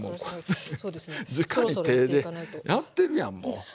じかに手でやってるやんもう。